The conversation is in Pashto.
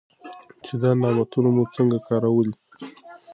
چې دا نعمتونه مو څنګه کارولي.